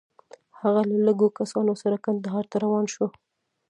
هغه له لږو کسانو سره کندهار ته روان شو.